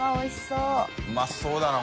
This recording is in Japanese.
うまそうだな